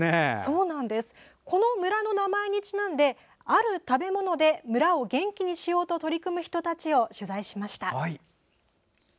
この村の名前にちなんである食べ物で村を元気にしようと取り組む人たちを取材しました。